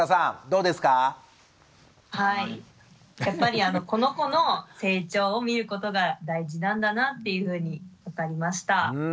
やっぱりこの子の成長を見ることが大事なんだなというふうに分かりました。